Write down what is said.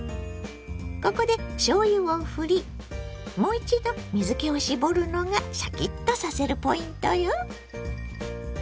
ここでしょうゆをふりもう一度水けを絞るのがシャキッとさせるポイントよ。